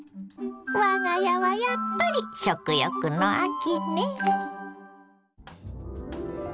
我が家はやっぱり食欲の秋ね。